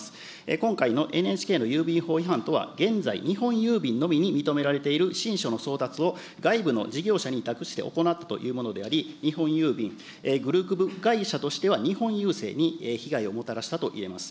今回のＮＨＫの郵便法違反とは現在、日本郵便のみに認められている信書の送達を外部の事業者に委託して行ったというものであり、日本郵便、グループ会社としては日本郵政に被害をもたらしたといえます。